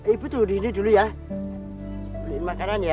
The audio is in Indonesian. ibu tuh di sini dulu ya beli makanan ya